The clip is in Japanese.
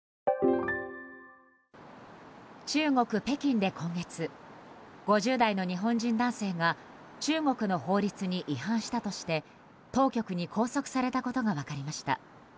中国・北京で今月５０代の日本人男性が中国の法律に違反したとして当局に拘束されたことが分かりました。